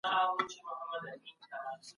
د کور چاپېریال مهم دي.